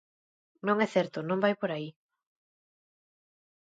Non é certo, non vai por aí.